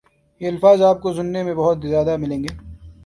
یہ الفاظ آپ کو سنے میں بہت زیادہ ملیں گے